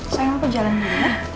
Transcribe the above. sayang aku jalan dulu ya